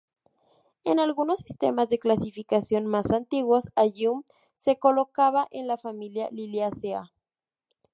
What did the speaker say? En algunos sistemas de clasificación más antiguos, "Allium" se colocaba en la familia Liliaceae.